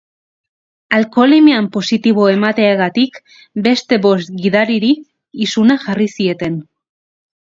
Alkoholemian positibo emateagatik beste bost gidariri isuna jarri zieten.